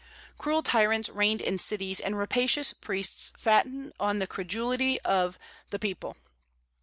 Cruel tyrants reigned in cities, and rapacious priests fattened on the credulity of the people.